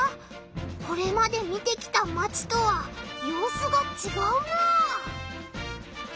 これまで見てきたマチとはようすがちがうなあ。